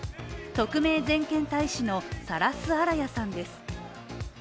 特命全権大使の、サラス・アラヤさんです。